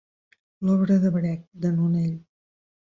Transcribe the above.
L'obra de Brecht, de Nonell.